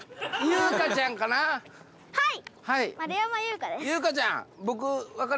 はい！